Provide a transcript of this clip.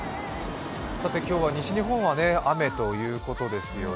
今日は西日本は雨ということですよね。